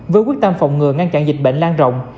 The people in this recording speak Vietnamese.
với quyết tâm phòng ngừa ngăn chặn dịch bệnh lan rộng